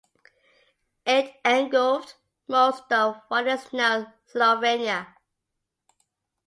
It engulfed most of what is now Slovenia.